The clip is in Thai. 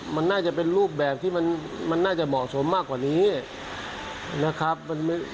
มันน่าจะเป็นรูปแบบที่มันน่าจะเหมาะสมมากกว่านี้นะครับ